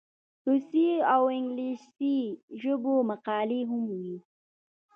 روسي او انګلیسي ژبو مقالې هم وې.